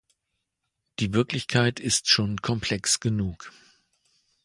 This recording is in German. Die Wirklichkeit ist schon komplex genug.